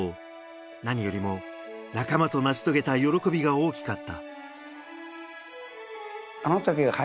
何よりも、仲間と成し遂げた喜びが大きかった。